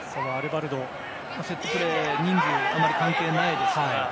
セットプレーは人数があまり関係ないですから。